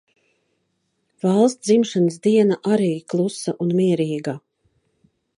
Valsts dzimšanas diena arī klusa un mierīga.